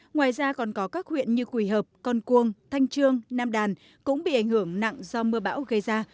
ngoài ra còn có các huyện như quỳ hợp con cuông thanh trương nam đàn cũng bị ảnh hưởng nặng do mưa bão gây ra